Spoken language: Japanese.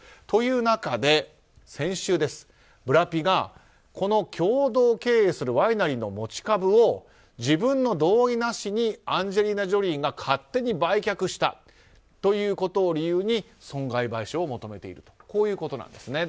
という中で、先週ブラピが、この共同経営するワイナリーの持ち株を自分の同意なしにアンジェリーナ・ジョリーが勝手に売却したということを理由に損害賠償を求めているということなんです。